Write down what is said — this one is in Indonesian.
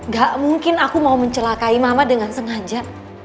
gak mungkin aku mau mencelakai mama dengan sengaja